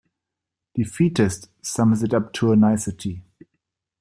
'Defeatist' sums it up to a nicety.